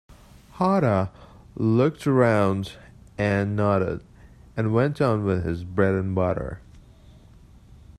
Hatta looked round and nodded, and went on with his bread and butter.